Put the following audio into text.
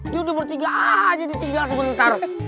ya udah bertiga aja ditinggal sebentar